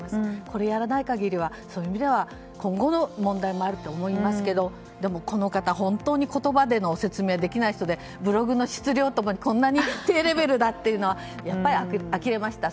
これをやらない限りでは今後の問題もあると思いますけど、でもこの方本当に言葉での説明ができない人でブログの質量もこんなに低レベルだというのはあきれました。